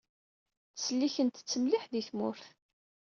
Ttsellikent-tt mliḥ di tmurt.